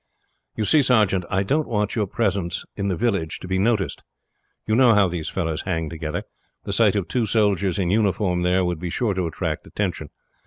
"You see, sergeant, I don't want your presence in the village to be noticed. You know how these fellows hang together. The sight of two soldiers in uniform there would be sure to attract attention.